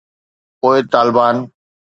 پوءِ طالبان